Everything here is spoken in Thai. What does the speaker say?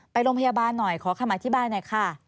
ไปโรงพยาบาลหน่อยขอคำอธิบายหน่อยค่ะ